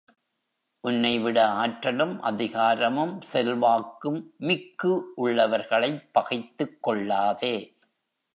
உன்னைவிட ஆற்றலும், அதிகாரமும், செல்வாக்கும் மிக்கு உள்ளவர்களைப் பகைத்துக் கொள்ளாதே.